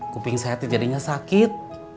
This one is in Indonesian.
kuping saya terjadinya sakit